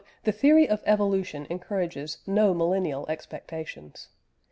"The theory of evolution encourages no millennial expectations.